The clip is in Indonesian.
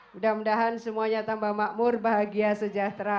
mudah mudahan semuanya tambah makmur bahagia sejahtera